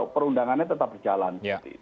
perundangannya tetap berjalan